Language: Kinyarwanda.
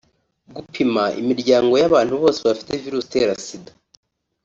gupima imiryango y’abantu bose bafite virusi itera Sida